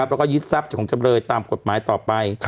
แล้วก็ยึดทรัพย์จากของจำเลยตามกฎหมายต่อไป